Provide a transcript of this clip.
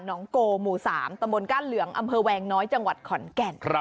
น้องโกหมู่๓ตำบลก้านเหลืองอำเภอแวงน้อยจังหวัดขอนแก่น